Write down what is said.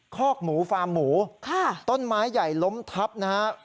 คอกหมูฟาร์มหมูต้นไม้ใหญ่ล้มทับนะฮะ